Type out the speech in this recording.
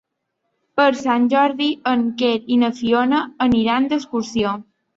Per Sant Jordi en Quer i na Fiona aniran d'excursió.